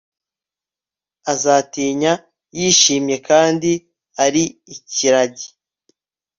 Azatinya yishimye kandi ari ikiragi